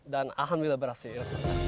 dan alhamdulillah berhasil